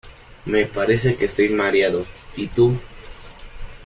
Me parece que estoy mareado, ¿y tú?